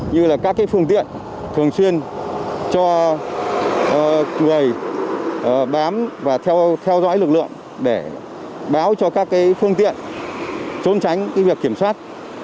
như là các phương tiện thường xuyên cho người bám và theo dõi lực lượng để báo cho các phương tiện trốn tránh việc kiểm soát